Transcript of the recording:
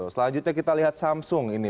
selanjutnya kita lihat samsung ini